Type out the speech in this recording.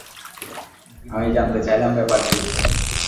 আমি জানতে চাইলাম, ব্যাপার কী?